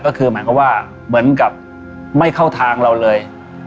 ก็คือเหมือนกับไม่เข้าทางเราเลย